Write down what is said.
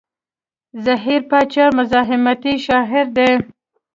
زهير باچا مزاحمتي شاعر دی.